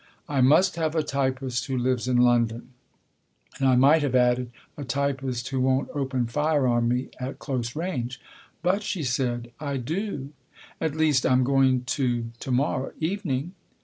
" I must have a typist who lives in London." (And I might have added " a typist who won't open fire on me at close range.") " But," she said, " I do at least, I'm going to to morrow evening."